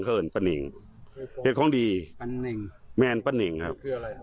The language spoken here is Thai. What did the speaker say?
เพลงคุณนะครับ